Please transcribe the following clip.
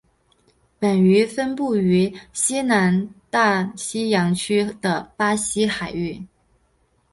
本鱼分布于西南大西洋区的巴西海域。